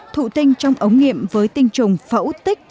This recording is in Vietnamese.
thụ tinh trong ống nghiệm với tinh trùng phẫu tích